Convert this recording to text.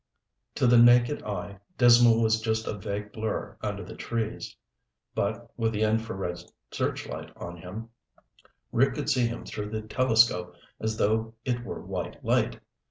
To the naked eye, Dismal was just a vague blur under the trees. But with the infrared searchlight on him, Rick could see him through the telescope as though it were white light.